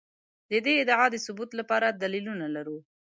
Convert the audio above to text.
د دې ادعا د ثبوت لپاره دلیلونه لرو.